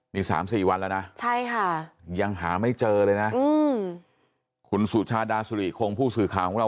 นี่๓๔วันแล้วนะใช่ค่ะยังหาไม่เจอเลยนะคุณสุชาดาสุริคงผู้สื่อข่าวของเรา